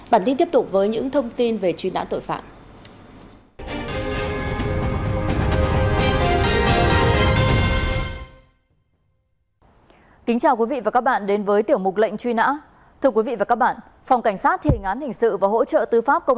bản tin tiếp tục với những thông tin về truy nã tội phạm